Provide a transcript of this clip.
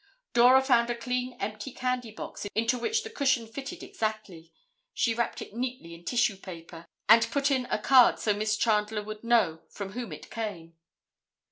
Dora found a clean empty candy box into which the cushion fitted exactly. She wrapped it neatly in tissue paper and put in a card so Miss Chandler would know from whom it came.